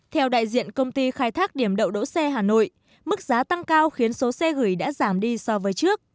theo đại diện công ty khai thác điểm đậu đỗ xe hà nội mức giá tăng cao khiến số xe gửi đã giảm đi so với trước